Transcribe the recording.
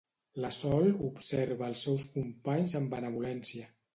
La Sol observa els seus companys amb benevolència.